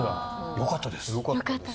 よかったです。